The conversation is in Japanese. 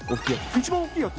一番大きいやつ？